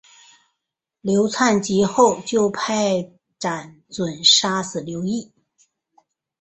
刘粲及后就派靳准杀死刘乂。